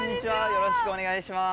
よろしくお願いします。